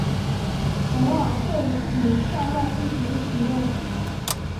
偶尔会与塞外一同使用。